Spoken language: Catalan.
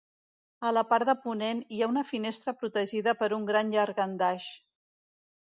A la part de ponent hi ha una finestra protegida per un gran llangardaix.